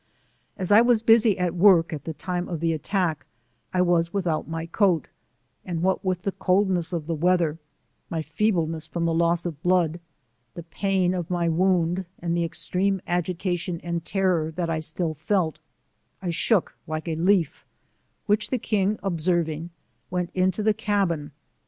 As I was busy at work at the time of the at tack, I was without my coat, and what with the coldness of the weather, my feebleness from loss of blood, the pain of ray wound an4 the extreme agitation and terror that I still felt, I shooklike a leaf, which the king observing, went into the ca bin, and